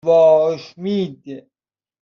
واشمید